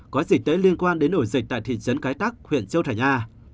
có dịch tễ liên quan đến ổ dịch tại thị trấn cái tắc huyện châu thành a